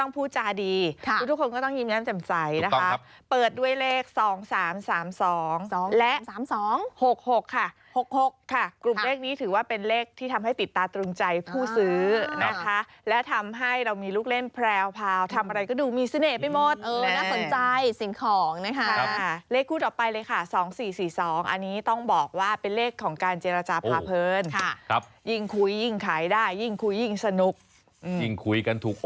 พูดจาดีทุกคนก็ต้องยิ้มแย้มแจ่มใสนะคะเปิดด้วยเลข๒๓๓๒และ๓๒๖๖ค่ะ๖๖ค่ะกลุ่มเลขนี้ถือว่าเป็นเลขที่ทำให้ติดตาตรึงใจผู้ซื้อนะคะและทำให้เรามีลูกเล่นแพรวพาวทำอะไรก็ดูมีเสน่ห์ไปหมดเลยน่าสนใจสิ่งของนะคะเลขคู่ต่อไปเลยค่ะ๒๔๔๒อันนี้ต้องบอกว่าเป็นเลขของการเจรจาพาเพลินยิ่งคุยยิ่งขายได้ยิ่งคุยยิ่งสนุกยิ่งคุยกันถูก